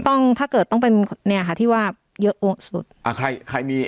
ต้องถ้าเกิดต้องเป็นเนี้ยค่ะที่ว่าเยอะสุดอ่าใครใครมี